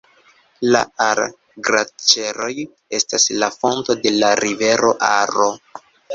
La Ar-Glaĉeroj estas la fonto de la rivero Aro.